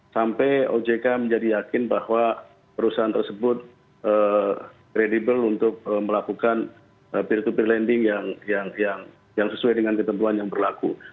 sampai ojk menjadi yakin bahwa perusahaan tersebut kredibel untuk melakukan peer to peer lending yang sesuai dengan ketentuan yang berlaku